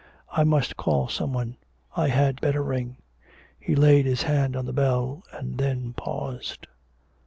I must call some one. I had better ring.' He laid his hand on the bell, and then paused.